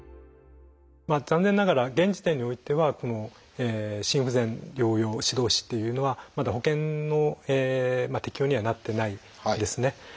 残念ながら現時点においてはこの心不全療養指導士っていうのはまだ保険の適用にはなってないんですね。